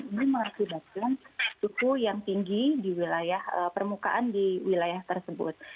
ini mengakibatkan suhu yang tinggi di wilayah permukaan di wilayah tersebut